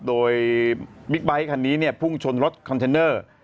โดยบิ๊กไบท์คันนี้เนี่ยพุ่งชนรถคอนเทนเนอร์